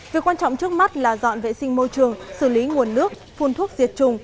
việc quan trọng trước mắt là dọn vệ sinh môi trường xử lý nguồn nước phun thuốc diệt trùng